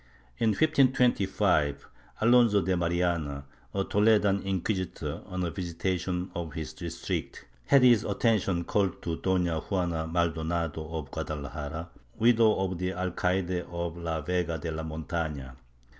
In 1525, Alonso de Mariana, a Toledan inquisitor, on a visitation of his district, had his attention called to Doria Juana Maldonado of Guadalajara, widow of the alcaide of la Vega de la Montana.